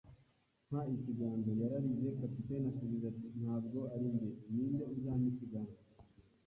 “Mpa ikiganza!” yararize. Kapiteni asubiza ati: “Ntabwo ari njye.” “Ni nde uzampa ikiganza